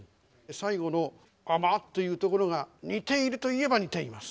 最後の「甘」って言うところが似ているといえば似ています。